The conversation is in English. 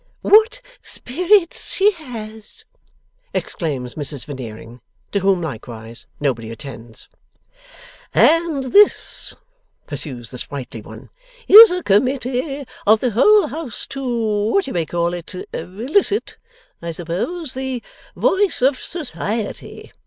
['What spirits she has!' exclaims Mrs Veneering; to whom likewise nobody attends.) 'And this,' pursues the sprightly one, 'is a Committee of the whole House to what you may call it elicit, I suppose the voice of Society.